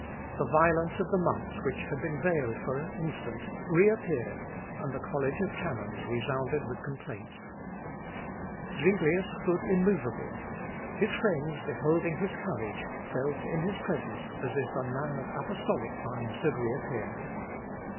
The violence of the monks which had been veiled for an instant, reappeared, and the college of canons resounded with complaints. Zuinglius stood immovable. His friends beholding his courage, felt in his presence as if a man of apostolic times had reappeared.